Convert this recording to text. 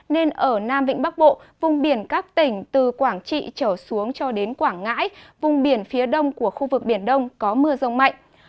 nên ở nam vịnh bắc bộ vùng biển các tỉnh từ quảng trị trở xuống cho đến quảng ngãi vùng biển phía đông của khu vực biển đông có mưa rông mạnh